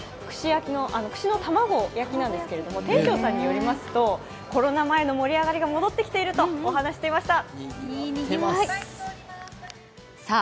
串の卵焼きなんですけれども、店長さんによりますとコロナ前の盛り上がりが戻っているというふうにお話をしていました。